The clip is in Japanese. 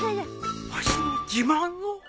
わしの自慢を？